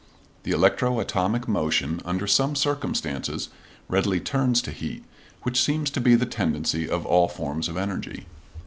The electro atomic motion under some circumstances readily turns to heat, which seems to be the tendency of all forms of energy.